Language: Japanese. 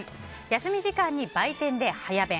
休み時間に売店で早弁。